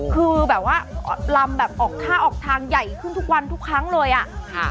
คือแบบว่าลำแบบออกท่าออกทางใหญ่ขึ้นทุกวันทุกครั้งเลยอ่ะค่ะ